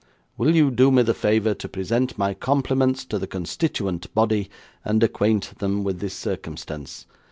'Will you do me the favour to present my compliments to the constituent body, and acquaint them with this circumstance?